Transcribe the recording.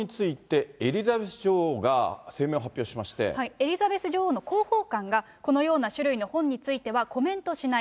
エリザベス女王の広報官が、このような種類の本についてはコメントしない。